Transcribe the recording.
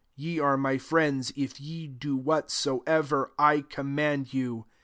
14 Ye are my friends, if ye do whatso ever I command you.